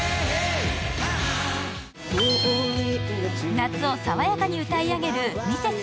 夏を爽やかに歌い上げるＭｒｓ